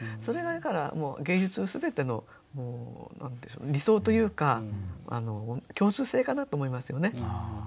それがだから芸術の全ての理想というか共通性かなと思いますよね。